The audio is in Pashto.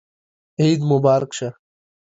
عید مو مبارک شه